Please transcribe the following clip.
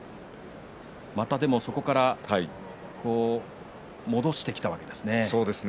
そこから戻してきたわけですね。